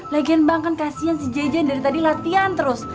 lagian bang kan kasihan si jejen dari tadi latihan terus